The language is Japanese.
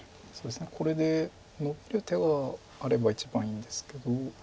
これでノビる手があれば一番いいんですけど。